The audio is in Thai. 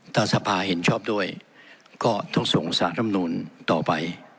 ถ้าสภาเห็นชอบด้วยก็ต้องส่งสารรำนูลต่อไป